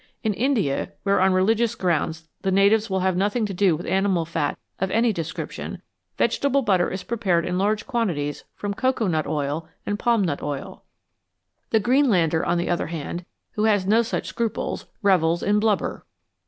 In India, where, on religious 239 FATS AND OILS grounds, the natives will have nothing to do with animal fat of any description, vegetable butter is prepared in large quantities from cocoa nut oil and palm nut oil. The Greenlander, on the other hand, who has no such scruples, revels in blubber.